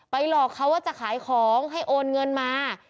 หลอกเขาว่าจะขายของให้โอนเงินมา